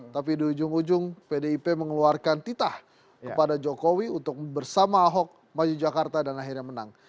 tapi di ujung ujung pdip mengeluarkan titah kepada jokowi untuk bersama ahok maju jakarta dan akhirnya menang